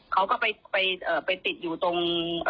เขาก็ไปติดอยู่ตรง